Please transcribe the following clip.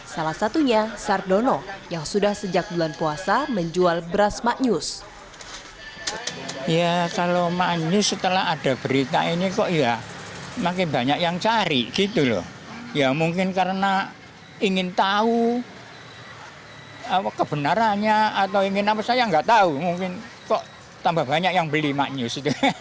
salah satunya sardono yang sudah sejak bulan puasa menjual beras maknyus